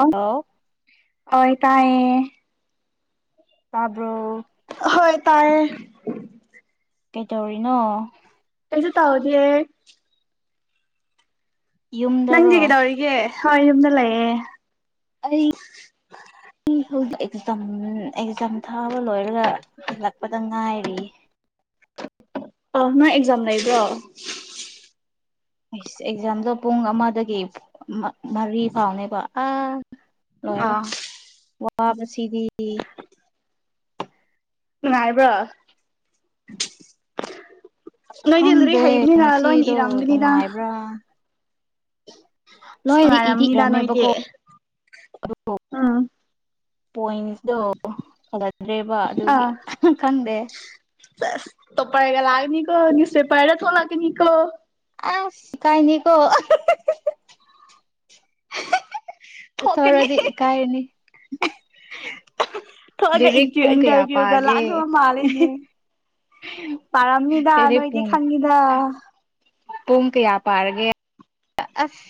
ꯑ ꯍꯜꯂꯣ ꯍꯣꯏ ꯇꯥꯏꯦ ꯇꯥꯔꯕ꯭ꯔꯣ ꯍꯣꯏ ꯇꯥꯏꯌꯦ ꯀꯩꯗꯧꯔꯤꯅꯣ ꯀꯩꯁꯨ ꯇꯥꯎꯗꯦ ꯌꯨꯝꯗꯔꯣ ꯅꯪꯗꯤ ꯀꯩꯗꯧꯔꯤꯒꯦ ꯍꯣꯏ ꯌꯨꯝꯗ ꯂꯩꯌꯦ ꯑꯩ ꯍꯧꯖꯤꯛ ꯑꯦꯛꯖꯥꯝ ꯑꯦꯛꯖꯥꯝ ꯊꯥꯕ ꯂꯣꯏꯔꯒ ꯍꯜꯂꯛꯄꯗ ꯉꯥꯏꯔꯤ ꯑ ꯅꯣꯏ ꯑꯦꯛꯖꯝ ꯂꯩꯕꯣ ꯏꯁꯁ ꯑꯦꯛꯖꯥꯝꯗꯣ ꯄꯨꯡ ꯑꯃꯗꯒꯤ ꯃꯔꯤ ꯐꯥꯎꯅꯦꯕ ꯑꯥ ꯂꯣꯏꯔꯦ ꯑꯥ ꯋꯥꯕꯁꯤꯗꯤ ꯅꯨꯡꯉꯥꯏꯕ꯭ꯔꯣ ꯅꯣꯏꯗꯤ ꯂꯨꯔꯤ ꯈꯪꯗꯦ ꯍꯩꯕꯅꯤꯅ ꯂꯣꯏꯅ ꯉꯁꯤꯗꯣ ꯏꯔꯝꯕꯅꯤꯅ ꯅꯨꯡꯉꯥꯏꯕ꯭ꯔꯥ ꯑꯁ ꯂꯣꯏꯗꯤ ꯏꯗꯤ ꯅꯨꯡꯉꯥꯏꯔꯝꯅꯤꯗ ꯏꯔꯃꯦꯕ ꯅꯣꯏꯗꯤ ꯀꯧꯕꯣ ꯎꯝ ꯄꯣꯏꯟꯇꯣ ꯐꯗ꯭ꯔꯦꯕ ꯑꯗꯨꯒꯤ ꯈꯪꯗꯦ ꯇꯣ ꯄꯒ ꯂꯒꯦꯅꯤꯀ ꯅꯁꯦ ꯄꯥꯏꯔ ꯊꯧꯅꯥ ꯀꯅꯤꯀ ꯑꯁ ꯏꯀꯥꯏꯅꯤ ꯀꯣ ꯊꯣꯛꯀꯅꯤ ꯊꯧꯔꯗꯤ ꯏꯀꯥꯏꯅꯤ ꯊꯣꯛꯑꯒ ꯏꯟꯇꯔꯚꯤꯌꯨꯒ ꯂꯥꯛꯕ ꯃꯥꯜꯂꯤꯦꯅꯦ ꯄꯥꯔꯝꯅꯤꯗꯥ ꯂꯤꯔꯤꯛ ꯅꯣꯏꯗꯤ ꯄꯨꯡ ꯈꯥꯡꯅꯤꯗꯥ ꯄꯨꯡ ꯀꯌꯥ ꯄꯥꯔꯒꯦ ꯑꯁ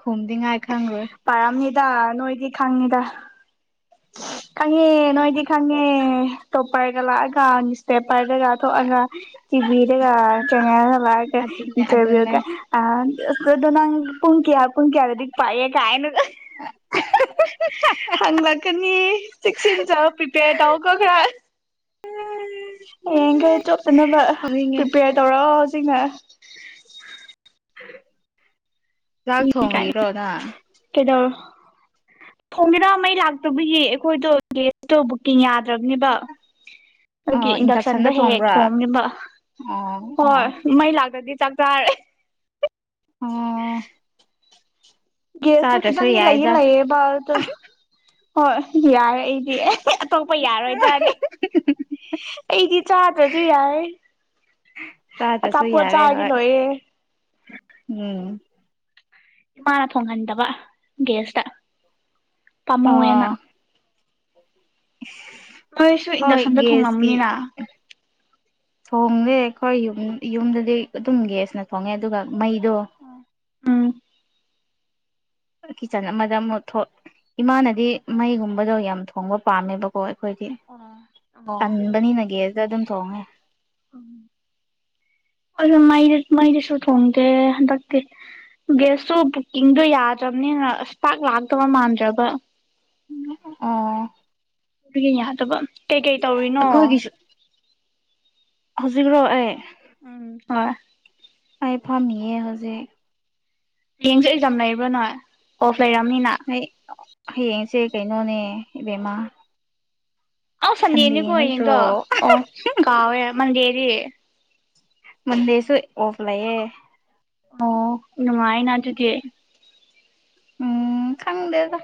ꯈꯨꯝꯗꯤ ꯉꯥꯏ ꯈꯪꯔꯣꯏ ꯄꯥꯔꯝꯅꯤꯗ ꯅꯣꯏꯗꯤ ꯈꯪꯅꯤꯗ ꯈꯪꯉꯦ ꯅꯣꯏꯗꯤ ꯈꯪꯉꯦ ꯇꯣꯞꯄꯔꯒ ꯂꯥꯛꯑꯒꯁꯇꯦ ꯄꯔꯗꯒ ꯊꯣꯛꯑꯒ ꯇꯤꯕꯤꯔꯒ ꯆꯉꯔꯒ ꯂꯥꯛꯑꯒ ꯑꯗꯨꯅꯦ ꯑꯗꯨꯅꯦ ꯏꯟꯇꯔꯚꯤꯌꯨꯒ ꯑ ꯗꯣꯟꯅ ꯄ ꯄꯨꯀꯤꯌꯥ ꯄꯨꯀꯤꯌꯥ ꯍꯥꯏ ꯑ ꯄꯥꯌꯦ ꯀꯥꯏꯅ ꯀ ꯍꯪꯂꯛꯀꯅꯤ ꯆꯦꯛꯁꯤꯟ ꯆ ꯄꯤ ꯄꯦ ꯇꯧ ꯀꯈ ꯍꯌꯦꯡꯈꯩ ꯇꯣꯞꯅꯅꯕ ꯈꯪꯅꯤꯡꯉꯦ ꯄ꯭ꯔꯤꯄꯦꯌꯔ ꯇꯧꯔꯛꯑꯣ ꯍꯧꯖꯤꯛꯅ ꯆꯥꯛ ꯊꯣꯡꯉꯔꯣꯅ ꯀꯗꯣ ꯊꯣꯡ ꯃꯔꯃꯩ ꯂꯥꯛꯇꯕꯒꯤ ꯑꯩꯈꯣꯏꯗꯣ ꯒꯦꯁꯇꯣ ꯕꯨꯛꯀꯤꯡ ꯌꯥꯗ꯭ꯔꯕꯅꯦꯕ [inaudible] ꯑꯗꯨꯒꯤ ꯏꯟꯗꯛꯁꯟꯗꯣ ꯏꯟꯗꯛꯁꯟꯗ ꯍꯦꯛ ꯍꯦꯛ ꯊꯣꯡꯕ꯭ꯔꯥ ꯊꯣꯡꯅꯤꯕ ꯑꯣ ꯍꯣꯏ ꯑꯣ ꯃꯩ ꯂꯥꯛꯇꯗꯤ ꯆꯥꯛ ꯆꯥꯔꯦ ꯑꯣ ꯒꯦꯁꯇꯨ ꯆꯥꯗ꯭ꯔꯁꯨ ꯈꯤꯇꯪꯗꯤ ꯂꯩꯌꯦ ꯌꯥꯏꯗ ꯂꯩꯑ ꯕꯠ ꯍꯣꯏ ꯌꯥꯏ ꯑꯩꯗꯤ ꯑꯦ ꯑꯇꯣꯞꯄ ꯌꯥꯔꯣꯏꯗ꯭ꯔꯅꯦ ꯑꯩꯗꯤ ꯆꯥꯗ꯭ꯔꯁꯨ ꯌꯥꯏꯦ ꯇꯥꯇꯁꯨ ꯌꯥꯔꯦ ꯆꯥꯔꯗꯤ ꯍꯣꯏ ꯂꯣꯏꯔꯦ ꯎꯝ ꯏꯃꯥꯅ ꯊꯣꯡꯍꯟꯗꯕ ꯒꯦꯁꯇ ꯄꯥꯝꯃꯧꯋꯦꯅ ꯑꯥ ꯅꯣꯏꯁꯨ ꯍꯣꯏ ꯏꯟꯗꯛꯁꯟꯗ ꯒꯦꯁꯀꯤ ꯊꯣꯡꯂꯝꯅꯤꯅ ꯊꯣꯡꯗꯦ ꯑꯩꯈꯣꯏ ꯌ ꯌꯨꯝꯗꯗꯤ ꯑꯗꯨꯝ ꯒꯦꯁꯅ ꯊꯣꯡꯉꯦ ꯑꯗꯨꯒ ꯃꯩꯗꯣ ꯎꯝ ꯀꯤꯠꯆꯟ ꯑꯃꯗ ꯑꯃꯨꯛ ꯏꯃꯥꯅꯗꯤ ꯃꯩꯒꯨꯝꯕꯗꯣ ꯌꯥꯝ ꯊꯣꯡꯕ ꯄꯥꯝꯃꯦꯕꯀ ꯑꯣ ꯑꯩꯈꯣꯏꯗꯤ ꯑꯣ ꯇꯟꯕꯅꯤꯅꯒ ꯑꯗꯨꯗ ꯑꯗꯨꯝ ꯊꯣꯡꯉꯦ [inaudible] ꯑꯗꯨ ꯃꯩꯗꯤ ꯃꯩꯗꯤꯁꯨ ꯊꯣꯡꯗꯦ ꯍꯟꯗꯛꯇꯤ ꯒꯦꯁꯇꯨ ꯕꯨꯛꯀꯤꯡꯗꯣ ꯌꯥꯗ꯭ꯔꯕꯅꯤꯅ ꯑꯁ ꯄꯥꯛ ꯂꯥꯛꯇꯕ ꯃꯥꯟꯗ꯭ꯔꯕ ꯑꯣ ꯎꯒ ꯌꯥꯍꯗꯕ ꯑꯩꯈꯣꯏꯒꯤꯁꯨ ꯍꯧꯖꯤꯛꯔꯣ ꯑꯦ ꯎꯝ ꯍ ꯑꯥꯏ ꯐꯥꯝꯌꯦ ꯍꯧꯖꯤꯛ ꯍꯌꯦꯡꯁꯨ ꯑꯦꯛꯖꯥꯝ ꯂꯩꯕ꯭ꯔꯥ ꯅꯣꯏ ꯑꯣꯐ ꯂꯩꯔꯝꯃꯤꯅ ꯑꯩ ꯍꯌꯦꯡꯁꯦ ꯀꯩꯅꯣꯅꯦ ꯏꯕꯦꯝꯃꯥ ꯑꯥꯎ ꯁꯟꯗꯦꯅꯤꯀꯣ ꯅꯠꯇ꯭ꯔꯣ ꯍꯌꯦꯡꯀꯣ ꯑꯣ ꯀꯥꯎꯋꯦ ꯃꯟꯗꯦꯗꯤ ꯃꯗꯦꯁꯨ ꯑꯣꯐ ꯂꯩꯌꯦ ꯑꯣ ꯅꯨꯡꯉꯥꯏꯅ ꯑꯗꯨꯗꯤ ꯎꯝ ꯈꯪꯗꯦꯗ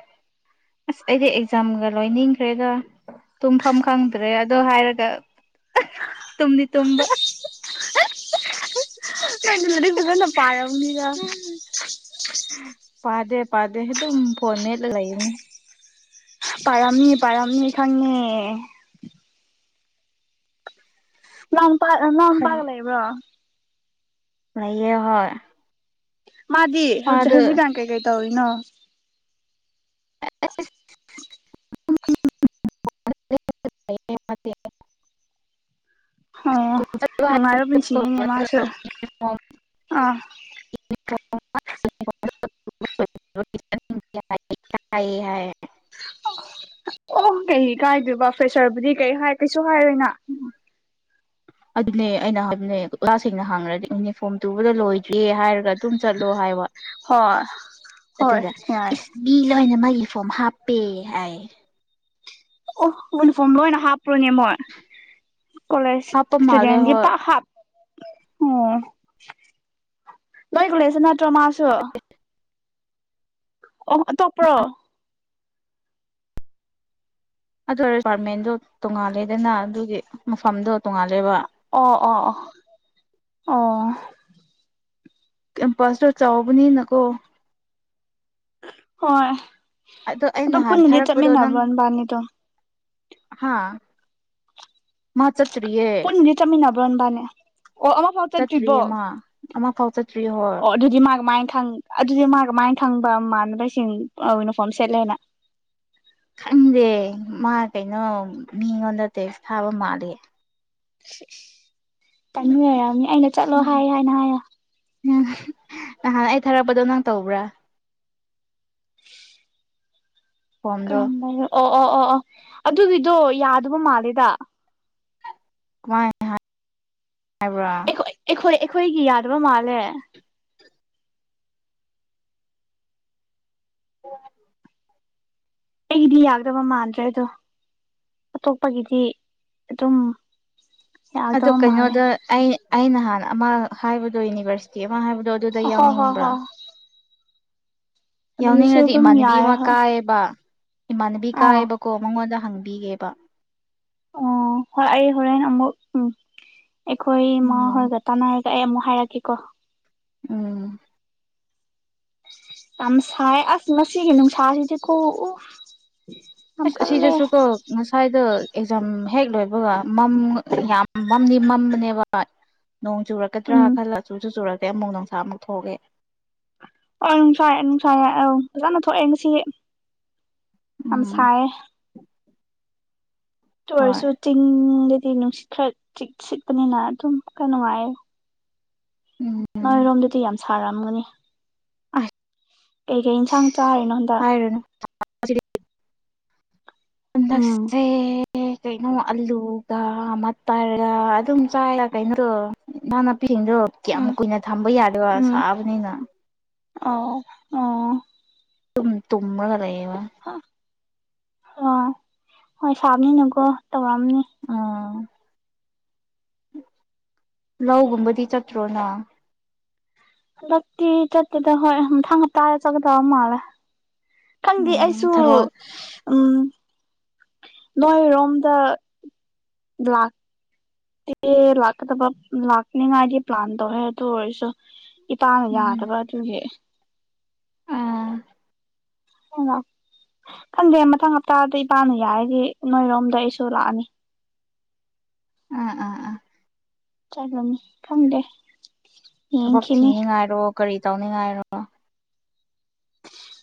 ꯑꯁ ꯑꯩꯗꯤ ꯑꯦꯛꯖꯥꯝꯒ ꯂꯣꯏꯅꯤꯡꯈ꯭ꯔꯦꯗ ꯇꯨꯝꯐꯝ ꯈꯪꯗ꯭ꯔꯦ ꯑꯗꯣ ꯍꯥꯏꯔꯒ ꯇꯨꯝꯗꯤ ꯇꯨꯝꯝꯕ ꯅꯣꯏ ꯂꯩꯗꯤꯅ ꯄꯥꯏꯔꯝꯅꯤꯔ ꯄꯥꯗꯦ ꯄꯥꯗꯦ ꯑꯗꯨꯝ ꯐꯣꯟ ꯃꯦꯠꯂ ꯂꯩꯔꯤꯅꯦ ꯄꯔꯝꯅꯤ ꯄꯔꯝꯅꯤ ꯑꯦꯈꯥꯟꯅꯦ ꯂꯣꯡ ꯄꯥꯛ ꯂꯣꯡꯄꯥꯛꯥꯛ ꯂꯩꯕ꯭ꯔꯣ ꯌꯦ ꯍ ꯃꯥꯗꯤ ꯍꯧꯖꯤꯛ ꯍꯧꯖꯤꯛꯀꯥꯡ ꯀꯩꯀꯩ ꯇꯧꯔꯤꯅꯣ [unintelligible] ꯅꯨꯡꯉꯥꯏꯔ ꯄꯨꯟꯁꯤꯉꯅꯦ ꯃꯥꯁꯨ ꯑꯥ [unintelligible] [unintelligible] ꯑꯣ ꯀꯩ ꯀꯥꯏꯗꯣꯏꯕ ꯐ꯭ꯔꯦꯁꯔꯕꯨꯗꯤ ꯀꯩ ꯍꯥꯏ ꯀꯩꯁꯨ ꯍꯥꯏꯔꯣꯏꯅ ꯎꯝ ꯑꯗꯨꯅꯦ ꯑꯩꯅ ꯍꯥꯏꯕꯅꯦ ꯑꯣꯖꯥꯁꯤꯡꯅ ꯍꯥꯡꯉꯗꯤ ꯌꯨꯅꯤꯐꯣꯔꯝ ꯇꯨꯕꯗ ꯂꯣꯏꯗ꯭ꯔꯦ ꯍꯥꯏꯔꯒ ꯑꯗꯨꯝ ꯆꯠꯂꯣ ꯍꯥꯏꯕ ꯍꯣꯏ ꯍꯣꯏ ꯑꯗꯨꯒ ꯌꯥꯏ ꯏꯁ ꯃꯤ ꯂꯣꯏꯅ ꯃꯥꯒꯤ ꯐꯣꯝ ꯍꯥꯞꯄꯦ ꯍꯥꯏ ꯑꯣ ꯌꯨꯅꯤꯐꯣꯔꯝ ꯂꯣꯏꯅ ꯍꯥꯞꯄ꯭ꯔꯣꯅꯦ ꯃꯣꯏ ꯀꯣꯂꯦꯖ ꯍꯥꯞꯄ ꯃꯥꯜꯂꯦ ꯏꯁꯇꯨꯗꯦꯟꯗꯤ ꯍꯣꯏ ꯄꯥꯛ ꯍꯥꯞ ꯑꯣ ꯂꯣꯏ ꯈꯨ ꯂꯩꯁꯦ ꯅꯠꯇ꯭ꯔꯣ ꯃꯥꯁꯨ ꯑꯣꯣ ꯇꯣꯞꯄ꯭ꯔꯣ ꯑꯗꯨ ꯗꯤꯄꯥꯔꯠꯃꯦꯟꯗꯣ ꯇꯣꯡꯉꯥꯜꯂꯦꯗꯅ ꯑꯗꯨꯒꯤ ꯃꯐꯝꯗꯣ ꯇꯣꯡꯉꯥꯜꯂꯦꯕ ꯑꯣ ꯑꯣ ꯑꯣ ꯀꯦꯝꯄꯁꯇꯣ ꯆꯥꯎꯕꯅꯤꯅꯀꯣ ꯍꯣꯏ ꯑꯗꯣ ꯑꯩ ꯅꯍꯥꯟ ꯄꯨꯟꯅꯗꯤ ꯊꯥꯔꯛꯄꯗꯣ ꯅꯪ ꯆꯠꯃꯤꯟꯅꯕ꯭ꯔꯣ ꯅꯕꯥꯅꯤꯗꯣ ꯍꯥꯥ ꯃꯥ ꯆꯇ꯭ꯔꯤꯌꯦ ꯇ ꯑꯃ ꯅꯅꯥꯕ꯭ꯔꯟꯕꯅꯦ ꯑꯣ ꯑꯃꯛ ꯆꯠꯇ꯭ꯔꯤꯌꯦ ꯑꯃ ꯑꯃ ꯐꯥꯎ ꯆꯠꯇ꯭ꯔꯤꯌꯦ ꯍꯣꯔ ꯑꯣ ꯑꯗꯨꯗꯤ ꯃꯥꯒ ꯃꯥꯏꯅ ꯈ ꯑꯗꯨꯗꯤ ꯃꯥꯒ ꯃꯥꯏꯅ ꯈꯪꯕ ꯃꯃꯥꯟꯅꯕꯁꯤꯡ ꯌꯨꯅꯤꯐꯣꯔꯝ ꯁꯦꯠꯂꯦꯅ ꯈꯪꯗꯦ ꯃꯥ ꯀꯩꯅꯣ ꯃꯤꯉꯣꯟꯗ ꯇꯦꯛꯁ ꯊꯥꯕ ꯃꯥꯂꯦ ꯇꯥꯃꯤꯉꯔꯝꯅꯤ ꯑꯩꯅ ꯆꯠꯂꯣ ꯍꯥꯏ ꯍꯥꯏꯅ ꯍꯥꯏꯌ ꯎꯝ ꯅꯍꯥꯟ ꯑꯩ ꯊꯥꯔꯛꯄꯗꯣ ꯅꯪ ꯇꯧꯕ꯭ꯔꯥ ꯀꯣꯝꯗꯣ ꯀꯔꯝꯕꯔꯣ ꯑꯣ ꯑꯣ ꯑꯣ ꯑꯣ ꯑꯗꯨꯒꯤꯗꯣ ꯌꯥꯗꯕ ꯃꯥꯜꯂꯦꯗ ꯀꯃꯥꯏ ꯍꯥꯏꯕ꯭ꯔꯥ ꯑꯩꯈꯣꯏ ꯑꯩꯈꯣꯏ ꯑꯩꯈꯣꯏꯒꯤ ꯌꯥꯗꯕ ꯃꯥꯜꯂꯦ ꯑꯩꯒꯤꯗꯤ ꯌꯥꯗꯕ ꯃꯥꯟꯗ꯭ꯔꯦ ꯑꯗꯣ ꯑꯇꯣꯞꯄꯒꯤꯗꯤ ꯑꯗꯨꯝ ꯑꯗꯣ ꯌꯥꯒꯗꯕ ꯃꯥꯜꯂꯦ ꯀꯩꯅꯣꯗ ꯑꯩ ꯑ ꯅꯍꯥꯟꯅ ꯑꯃ ꯍꯥꯏꯕꯗꯣ ꯌꯨꯅꯤꯚꯔꯁꯤꯇꯤ ꯑꯃ ꯍꯥꯏꯕꯗꯣ ꯑꯗꯨ ꯍꯣ ꯍꯣ ꯍꯣ ꯌꯥꯎꯅꯤꯡꯉꯗꯤ ꯑꯗꯨꯝ ꯏꯃꯥꯟꯅꯕꯤ ꯌꯥꯏ ꯑꯃ ꯍꯣꯏ ꯀꯥꯏꯌꯦꯕ ꯏꯃꯥꯟꯅꯕꯤ ꯑꯥ ꯀꯥꯏꯌꯦꯕꯀꯣ ꯃꯉꯣꯟꯗ ꯍꯪꯕꯤꯒꯦꯕ ꯑꯣ ꯍꯣꯏ ꯑꯩ ꯍꯔ ꯑꯃꯨꯛ ꯎ ꯑꯩꯈꯣꯏꯃꯥ ꯎꯝ ꯍꯣꯏ ꯦꯇꯥꯅ ꯑꯩ ꯑꯃꯨꯛ ꯍꯥꯏꯔꯛꯀꯦꯀꯣ ꯎꯝ ꯌꯥꯝ ꯁꯥꯏ ꯑꯁ ꯉꯁꯤꯒꯤꯦ ꯅꯅꯨꯡ ꯁꯥꯁꯤꯗꯤ ꯀꯣ ꯁꯤꯁꯨꯁꯨ ꯀꯣ ꯉꯁꯥꯏꯗꯣ ꯑꯦꯛꯖꯥꯝ ꯍꯦꯛ ꯂꯣꯏꯕꯒ ꯃꯝ ꯌꯥꯝ ꯃꯝꯗꯤ ꯃꯝꯕꯅꯦꯕ ꯅꯣꯡ ꯆꯨꯔꯛꯀꯗ꯭ꯔꯥ ꯎꯝ ꯈꯜꯂ ꯆꯨꯁꯨ ꯆꯨꯔꯛꯇ꯭ꯔꯦ ꯑꯃꯨꯛ ꯅꯅꯨꯡꯁꯥ ꯑꯃꯨꯛ ꯊꯣꯛꯑꯦ ꯑꯣ ꯅꯨꯡꯁꯥꯏꯔ ꯅꯨꯡꯁꯥꯏꯔꯦ ꯑꯧ ꯐꯖꯅ ꯊꯣꯛꯑꯦ ꯉꯁꯤ ꯌꯥꯝ ꯎꯝ ꯁꯥꯌꯦ ꯑꯗꯨ ꯍꯣꯏ ꯑꯣꯏꯔꯁꯨ ꯆꯤꯡꯗꯗꯤ ꯅꯨꯡꯁꯤꯠ ꯈꯔ ꯆꯤ ꯁꯤꯠꯄꯅꯤꯅ ꯑꯗꯨꯝ ꯈꯔꯥ ꯅꯨꯡꯉꯥꯏꯌꯦ ꯎꯝ ꯅꯣꯏꯔꯣꯝꯗꯗꯤ ꯌꯥꯝ ꯁꯥꯔꯝꯒꯅꯤ ꯑꯁ ꯀꯩ ꯀꯩ ꯏꯟꯁꯥꯡ ꯆꯥꯔꯤꯅꯣ ꯍꯟꯗꯛ [inaudible] ꯁꯦ [unintelligible] ꯑꯦ ꯀꯩꯅꯣ ꯑꯂꯨꯒ ꯃꯇꯔꯒ ꯑꯗꯨꯝ ꯆꯥꯏꯔ ꯀꯩꯅꯣꯗꯣ ꯏꯟꯁꯪ ꯅꯥꯄꯤꯁꯤꯡꯗꯣ ꯀꯌꯥꯝ ꯎꯝ ꯀꯨꯏꯅ ꯊꯝꯕ ꯌꯥꯗꯣꯏꯕ ꯎꯝ ꯎꯝ ꯁꯥꯕꯅꯤꯅ ꯑꯣ ꯑ ꯗꯨꯝ ꯇꯨꯝꯔꯒ ꯂꯩꯌꯦ ꯋꯥꯌꯦ ꯍ ꯍꯣꯏ ꯍꯣꯏ ꯁꯥꯕꯅꯤꯅꯀꯣ ꯇꯧꯔꯝꯅꯤ ꯎꯝ ꯂꯧꯒꯨꯝꯕꯗꯤ ꯆꯠꯇ꯭ꯔꯣ ꯅꯪ ꯂꯧꯇꯤ ꯆꯠꯇꯦꯗ ꯍꯣꯏ ꯄꯊꯥꯡ ꯍꯥꯞꯇ ꯆꯠꯒꯗꯕ ꯃꯥꯜꯂꯦ ꯈꯪꯗꯦ ꯎꯝ ꯑꯩꯁꯨ ꯊꯔꯣꯏ ꯎꯝ ꯅꯣꯏꯔꯣꯝꯗ ꯂꯥꯛ ꯂꯥꯛꯀꯗꯕ ꯂꯥꯛꯅꯤꯡꯉꯥꯏꯗꯤ ꯄ꯭ꯂꯥꯟ ꯇꯧꯌꯦ ꯑꯗꯨ ꯑꯣꯏꯔꯁꯨ ꯏꯄꯥꯅ ꯎꯝ ꯌꯥꯗꯕ ꯑꯗꯨꯒꯤ ꯑꯥ ꯈꯪꯗꯦ ꯃꯊꯪ ꯍꯞꯇꯥꯗ ꯏꯄꯥꯅ ꯌꯥꯔꯗꯤ ꯅꯣꯏꯔꯣꯝꯗ ꯑꯩꯁꯨ ꯂꯥꯛꯑꯅꯤ ꯑꯥ ꯑꯥ ꯑꯥ ꯆꯠꯂꯅꯤ ꯈꯪꯗꯦ ꯊꯕꯛ ꯌꯦꯡꯈꯤꯅꯤ ꯊꯤꯅꯤꯡꯉꯥꯏꯔꯣ ꯀꯔꯤ ꯇꯧꯅꯤꯡꯉꯥꯏꯔꯣ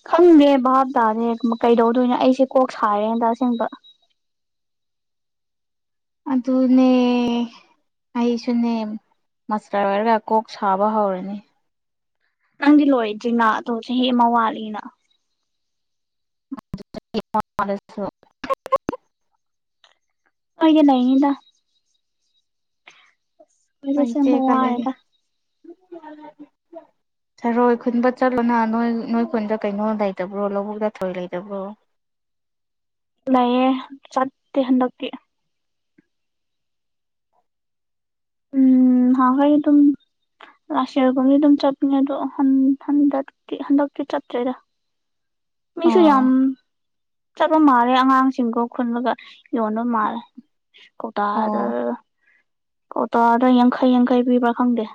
ꯈꯪꯗꯦ ꯚꯥꯞꯇꯥꯗꯦ ꯀꯩꯗꯧꯗꯣꯏꯅꯣ ꯑꯩꯁꯦ ꯀꯣꯛ ꯁꯥꯔꯦꯗ ꯑꯁꯦꯡꯕ ꯑꯗꯨꯅꯦ ꯑꯩꯁꯨꯅꯦ ꯃꯁꯇꯔ ꯑꯣꯏꯔꯒ ꯀꯣꯛ ꯁꯥꯕ ꯍꯧꯔꯅꯤ ꯅꯪꯗꯤ ꯂꯣꯏꯗ꯭ꯔꯤꯅ ꯆꯍꯤ ꯑꯃ ꯋꯥꯠꯂꯤꯅ ꯑꯗꯨ ꯆꯍꯤ ꯑꯃꯥ ꯋꯥꯠꯂꯁꯨ ꯑꯩꯗꯤ ꯂꯩꯅꯤꯗ ꯑꯩꯈꯣꯏꯗꯤ [inaudible] ꯑꯁꯦꯡꯕ ꯋꯥꯔꯦꯗ ꯊꯔꯣꯏ ꯈꯨꯟꯕ ꯆꯠꯂꯣꯅ ꯅꯣꯏ ꯅꯣꯏ ꯈꯨꯟꯗ ꯀꯩꯅꯣ ꯂꯩꯇꯕ꯭ꯔꯣ ꯂꯧꯕꯨꯛꯇ ꯊꯔꯣꯏ ꯂꯩꯇꯕ꯭ꯔꯣ ꯂꯩꯌꯦ ꯆꯠꯇꯦ ꯍꯟꯗꯛꯇꯤ ꯎꯝ ꯍꯥꯎꯌꯦ ꯑꯗꯨꯝ ꯂꯥꯁꯇ꯭ ꯌꯦꯔ ꯒꯨꯝꯗꯤ ꯑꯗꯨꯝ ꯆꯠꯄꯅꯦ ꯑꯗꯣ ꯍꯟꯗꯛꯇꯤ ꯍꯟꯗꯛꯇꯤ ꯆꯠꯇ꯭ꯔꯦꯗꯥ [unintelligible] ꯃꯤꯁꯨ ꯑꯣ ꯌꯥꯝ ꯆꯠꯄ ꯃꯥꯜꯂꯦ ꯑꯉꯥꯡꯁꯤꯡꯀ‌ꯣ ꯈꯨꯟꯕꯒ ꯌꯣꯟꯕ ꯃꯥꯜꯂꯦ ꯀꯣꯛꯇ ꯗ ꯑꯣ ꯀꯧꯇꯗ ꯌꯥꯡꯈꯩ ꯌꯥꯡꯈꯩ ꯄꯤꯕ꯭ꯔꯥ ꯈꯪꯗꯦ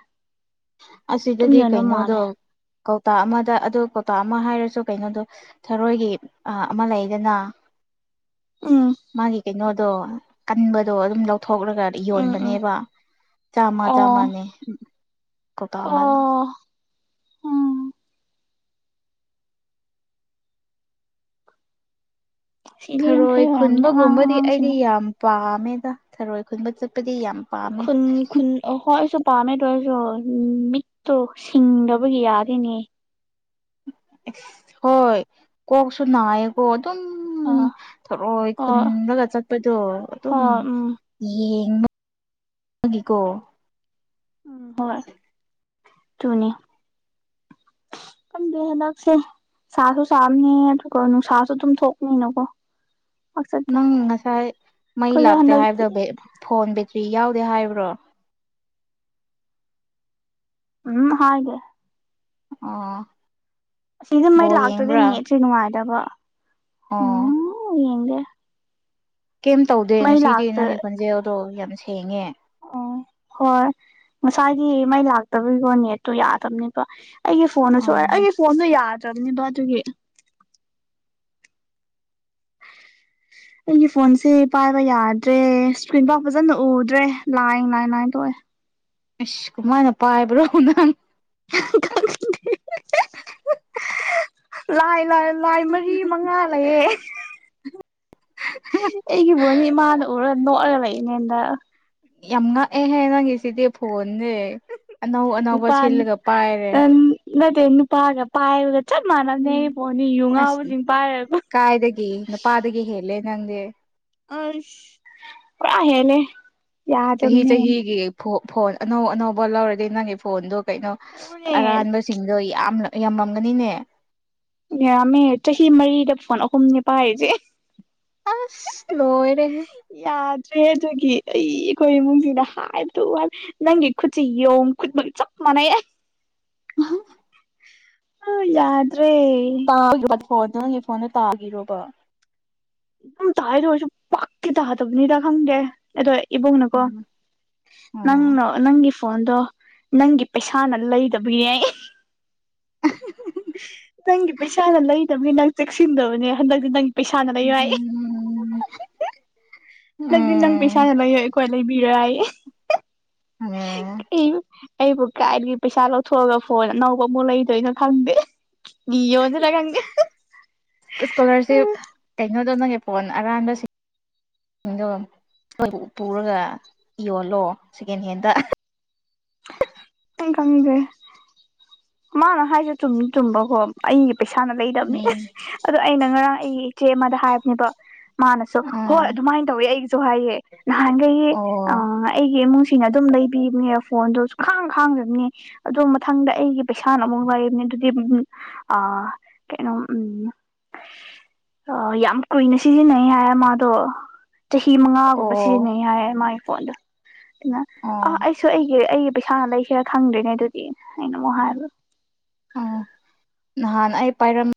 ꯑꯗꯨꯝ ꯑꯁꯤꯗꯗꯤ ꯌꯣꯟꯕ ꯀꯩꯅꯣꯗꯣ ꯃꯥꯜꯂꯦ ꯀꯧꯇꯥ ꯑꯃꯗ ꯑꯗꯨ ꯀꯧꯇꯥ ꯑꯃ ꯍꯥꯏꯔꯁꯨ ꯀꯩꯅꯣꯗꯣ ꯊꯔꯣꯏꯒꯤ ꯑꯥ‌ ꯑꯃ ꯂꯩꯗꯅ ꯎꯝ ꯃꯥꯒꯤ ꯀꯩꯅꯣꯗꯣ ꯀꯟꯕꯗꯣ ꯑꯗꯨꯝ ꯂꯧꯊꯣꯛꯂꯒ ꯎꯝ ꯎꯝ ꯌꯣꯟꯕꯅꯦꯕ ꯆꯥꯝꯃ ꯑꯣ ꯆꯥꯝꯃꯅꯦ ꯀꯣꯛꯇ ꯑꯃꯗ ꯑꯣ ꯎꯝ ꯁꯤꯗꯤ ꯌꯥꯡꯈꯩ ꯊꯔꯣꯏ ꯑꯣꯏꯔꯝꯅꯤ ꯑꯉꯥꯡ ꯈꯨꯟꯕꯒꯨꯝꯕꯗꯤ ꯑꯩꯗꯤ ꯑꯉꯥꯡꯁꯤꯡꯅ ꯌꯥꯝ ꯄꯥꯝꯃꯦꯗ ꯊꯔꯣꯏ ꯈꯨꯟꯕ ꯆꯠꯄꯗꯤ ꯌꯥꯝ ꯄꯥꯝꯃꯦ ꯈꯨꯟ ꯈꯨꯟ ꯑꯣ ꯍꯣꯏ ꯑꯩꯁꯨ ꯄꯥꯝꯃꯦꯗꯣ ꯑꯣꯏꯁꯨ ꯃꯤꯠꯇꯣ ꯁꯤꯡꯗꯕꯒꯤ ꯌꯥꯗꯦꯅꯦ ꯑꯁ ꯍꯣꯏ ꯀꯣꯛꯁꯨ ꯅꯥꯏꯌꯦ ꯑꯣ ꯑꯗꯨꯝ ꯑ ꯊꯔꯣꯏ ꯍꯣꯏ ꯈꯨꯟꯂꯒ ꯆꯠꯄꯗꯣ ꯑꯗꯨꯝ ꯍꯣꯏ ꯎꯝ ꯌꯦꯡꯕꯒꯤꯀꯣ ꯎꯝ ꯍꯣꯏ ꯗꯨꯅꯤ ꯈꯪꯗꯦ ꯍꯟꯗꯛꯁꯦ ꯁꯥꯁꯨ ꯁꯥꯕꯅꯦ ꯑꯗꯨꯒ ꯅꯨꯡꯁꯥꯁꯨ ꯑꯗꯨꯝ ꯊꯣꯛꯄꯅꯤꯅꯀꯣ ꯄꯥꯛ ꯆꯠꯇꯦ ꯅꯪ ꯉꯁꯥꯏ ꯃꯩ ꯑꯩꯈꯣꯏꯁꯨ ꯂꯥꯛꯇꯦ ꯍꯟꯗꯛꯇꯤ ꯍꯥꯏꯕꯗ‌ꯣ ꯐꯣꯟ ꯕꯦꯇ꯭ꯔꯤ ꯌꯥꯎꯗꯦ ꯍꯥꯏꯕ꯭ꯔꯣ ꯎꯝ ꯍꯥꯏꯗ‌ꯦ ꯑꯣ ꯑꯁꯤꯗ ꯃꯩ ꯕꯣꯜ ꯂꯥꯛꯇ꯭ꯔꯗꯤ ꯌꯦꯡꯕ꯭ꯔꯥ ꯅꯦꯠꯁ‌ꯦ ꯅꯨꯡꯉꯥꯏꯇꯕ ꯑꯣ ꯎꯝ ꯌꯦꯡꯗꯦ ꯀꯩꯝ ꯇꯧꯗꯦ ꯃꯩ ꯉꯁꯤꯗꯤ ꯂꯥꯛꯇ꯭ꯔꯦ ꯅꯪꯒꯤ ꯈꯣꯟꯖꯦꯜ ꯗꯣ ꯌꯥꯝ ꯁꯦꯡꯉꯦ ꯑꯣ ꯍꯣꯏ ꯉꯁꯥꯏꯒꯤ ꯃꯩ ꯂꯥꯛꯇꯕꯒꯤꯀꯣ ꯅꯦꯠꯇꯣ ꯌꯥꯗꯕꯅꯦꯕ ꯑꯩꯒꯤ ꯐꯣꯟꯗꯨꯁꯨ ꯑꯥ ꯑꯩꯒꯤ ꯐꯣꯟꯁꯨ ꯌꯥꯗ꯭ꯔꯕꯅꯦꯕ ꯑꯗꯨꯒꯤ [unintelligible] ꯑꯩꯒꯤ ꯐꯣꯟꯁꯦ ꯄꯥꯏꯕ ꯌꯥꯗ꯭ꯔꯦ ꯏꯁꯀ꯭ꯔꯤꯟ ꯐꯥꯎ ꯐꯖꯅ ꯎꯗ꯭ꯔꯦ ꯂꯥꯏꯅ ꯂꯥꯏꯅ ꯂꯥꯏꯅ ꯊ‌ꯣꯛꯑꯦ ꯑꯁ ꯀꯃꯥꯏꯅ ꯄꯥꯏꯕ꯭ꯔꯣ ꯅꯪ [unintelligible] ꯂꯥꯏ ꯂꯥꯏ ꯂꯥꯏ ꯃꯔꯤ ꯃꯉꯥ ꯂꯩꯌꯦ ꯑꯩꯒꯤ ꯐ‌ꯣꯟꯁ‌ꯦ ꯏꯃꯥꯅ ꯎꯔꯒ ꯅꯣꯛꯑꯒ ꯂꯩꯏꯔꯤꯅꯦ ꯍꯟꯗꯛ ꯌꯥꯝ ꯉꯛꯑꯦꯍꯦ ꯅꯪꯒꯤꯁꯤꯗꯤ ꯐꯣꯟꯁ‌ꯦ ꯑꯅꯧ ꯑꯅꯧꯕ ꯅꯨꯄꯥ ꯁꯤꯜꯂꯒ ꯄꯥꯏꯔꯦ ꯅꯠꯇꯦ ꯅꯨꯄꯥꯒ ꯄꯥꯏꯕꯒ ꯆꯞ ꯃꯥꯟꯅꯕꯅꯦ ꯎꯝ ꯑꯩ ꯐ‌ꯣꯟꯁ‌ꯦ ꯌꯨ ꯑꯁ ꯉꯥꯎꯕꯁꯤꯡ ꯄꯥꯏꯔꯒ ꯀꯥꯏꯗꯒꯤ ꯅꯨꯄꯥꯗꯒꯤ ꯍꯦꯜꯂꯦ ꯅꯪꯗꯤ ꯑꯩꯁ ꯄꯨꯔꯥ ꯍ‌ꯦꯜꯂꯦ ꯆꯍꯤ ꯆꯍꯤꯒꯤ ꯐꯣꯟ ꯐꯣꯟ ꯑꯅꯧ ꯑꯅꯧꯕ ꯂꯧꯔꯗꯤ ꯅꯪꯒꯤ ꯐꯣꯟꯗꯣ ꯀꯩꯅꯣ ꯑꯗꯨꯅꯦ ꯑꯔꯥꯟꯕ ꯁꯤꯡꯗꯣ ꯌꯥꯝ ꯌꯥꯝꯃꯝꯒꯅꯤꯅꯦ ꯌꯥꯝꯃꯦ ꯆꯍꯤ ꯃꯔꯤꯗ ꯐꯣꯟ ꯑꯍꯨꯝꯅ‌ꯦ ꯄꯥꯥꯏꯔꯤꯁꯦ ꯑꯁ ꯂꯣꯏꯔꯦꯍꯦ ꯌꯥꯗ꯭ꯔꯦ ꯑꯗꯨꯒꯤ ꯑꯩ ꯑꯩꯈꯣꯏ ꯏꯃꯨꯡꯁꯤꯅ ꯍꯥꯏꯕꯗ‌ꯣ ꯅꯪꯒꯤ ꯈꯨꯠꯁ‌ꯦ ꯌꯣꯡ ꯈꯨꯠꯃꯛꯀ ꯆꯞ ꯃꯥꯅꯩ [unintelligible] ꯑ ꯌꯥꯗ꯭ꯔꯦ ꯑꯥ ꯅꯪꯒꯤ ꯐꯣꯟꯗꯣ ꯅꯪꯒꯤ ꯐꯣꯟꯗꯣ ꯇꯥꯈꯤꯔꯣꯕ ꯑꯗꯨꯝ ꯇꯥꯢꯗ ꯑꯣꯏꯔꯁꯨ ꯄꯥꯛꯇꯤ ꯇꯥꯗꯕꯅꯤꯗ ꯈꯪꯗꯦ ꯑꯗꯣ ꯏꯕꯨꯡꯅꯀꯣ ꯎꯝ ꯎꯝ ꯅꯪꯅ ꯅꯪꯒꯤ ꯐꯣꯟꯗꯣ ꯅꯪꯒꯤ ꯄꯩꯁꯥꯅ ꯂꯩꯗꯕꯅꯦ [unintelligible] ꯅꯪꯒꯤ ꯄꯩꯁꯥꯅ ꯂꯩꯗꯕꯅꯤ ꯅꯪ ꯆꯦꯛꯁꯤꯟꯗꯕꯅꯦ ꯍꯟꯗꯛꯇꯤ ꯅꯪꯒꯤ ꯄꯩꯁꯥꯅ ꯂꯩꯔꯣ ꯍꯥꯏ ꯎꯝ ꯎꯝ ꯍꯟꯗꯛꯇꯗꯤ ꯅꯪ ꯄꯩꯁꯥꯅ ꯂꯩ ꯑꯩꯈꯣꯏ ꯂꯩꯕꯤꯔꯣꯢ ꯍꯥꯏ ꯎꯝ ꯑꯩꯕꯨ ꯀꯥꯏꯗꯒꯤ ꯄꯩꯁꯥ ꯂꯧꯊꯣꯛꯑꯒ ꯐꯣꯟ ꯑꯅꯧꯕ ꯑꯃꯨꯛ ꯂꯩꯗꯣꯏꯅꯣ ꯈꯪꯗꯦ ꯅꯤ ꯌꯣꯟꯁꯤꯔ ꯈꯪꯗꯦ ꯏꯁꯀꯣꯂꯔꯁꯤꯞ ꯀꯩꯅꯗꯣ ꯅꯪꯒꯤ ꯐꯣꯟ ꯑꯔꯥꯟꯕꯁꯤꯡ ꯗꯣ ꯑꯩꯈꯣꯏꯕꯨ ꯄꯨꯔꯒ ꯌꯣꯜꯂꯣ ꯁꯦꯀꯦꯟ ꯍꯦꯟꯗ ꯅꯪ ꯈꯪꯗ꯭ꯔꯦ ꯃꯥꯅ ꯍꯥꯏꯁꯨ ꯆꯨꯝꯗꯤ ꯆꯨꯝꯕꯀꯣ ꯑꯩꯒꯤ ꯄꯩꯁꯥꯅ ꯎꯝ ꯂꯩꯗꯕꯅꯦ ꯑꯗꯣ ꯑꯩꯅ ꯉꯔꯥꯡ ꯑꯩ ꯏꯆꯦ ꯑꯃꯗ ꯍꯥꯏꯕꯅꯦꯕ ꯃꯥꯅꯁꯨ ꯑ ꯍꯣꯏ ꯑꯗꯨꯃꯥꯏꯅ ꯇꯧꯋꯤ ꯑꯩꯒꯤꯁꯨ ꯍꯥꯏꯌꯦ ꯅꯍꯥꯟꯈꯩ ꯑ ꯑꯣ ꯑꯩꯒꯤ ꯏꯃꯨꯡꯁꯤ ꯁꯤꯅ ꯑꯗꯨꯝ ꯂꯩꯕꯤꯕꯅꯦ ꯐꯣꯟꯗꯣ ꯈꯥꯡ ꯈꯥꯡꯗꯕꯅꯦ ꯑꯗꯨꯗꯣ ꯃꯊꯪꯗ ꯑꯩꯒꯤ ꯄꯩꯁꯥꯅ ꯑꯃꯨꯛ ꯋꯥꯔꯤꯅꯤ ꯑꯗꯨꯗꯤ ꯎ ꯑ ꯀꯩꯅꯣ ꯎꯝ ꯑ ꯌꯥꯝ ꯀꯨꯏꯅ ꯁꯤꯖꯤꯟꯅꯩ ꯍꯥꯏ ꯃꯥꯗꯣ ꯆꯍꯤ ꯑꯣ ꯃꯉꯥꯒꯨꯝꯕ ꯁꯤꯖꯤꯟꯅꯩ ꯍꯥꯏꯌꯦ ꯃꯥꯒꯤ ꯐꯣꯟꯗꯣ ꯑꯗꯨꯅ ꯑ ꯑꯣ ꯑꯩ ꯑꯩꯁꯨ ꯑꯩꯒꯤ ꯑꯩꯒꯤ ꯄꯩꯁꯥꯅ ꯂꯩꯁꯤꯔꯥ ꯈꯪꯗ꯭ꯔꯤꯅꯦ ꯑꯗꯨꯗꯤ ꯑꯩꯅ ꯑꯃꯨꯛ ꯍꯥꯏꯕ ꯑꯣ ꯅꯍꯥꯟ ꯑꯩ ꯄꯥꯏꯔꯝ